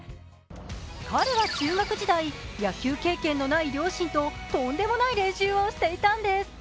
彼は中学時代、野球経験のない両親ととんでもない練習をしていたんです。